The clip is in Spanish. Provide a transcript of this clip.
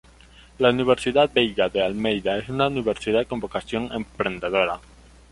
La Universidad Veiga de Almeida es una universidad con vocación emprendedora.